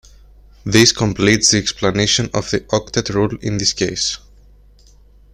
This completes the explanation of the octet rule in this case.